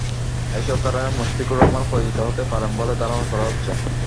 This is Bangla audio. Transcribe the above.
এসব কারণে মুশফিকুর রহমান পরাজিত হতে পারেন বলে ধারণা করা হচ্ছে।